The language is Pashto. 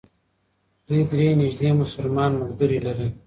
دوی درې نژدې مسلمان ملګري لري.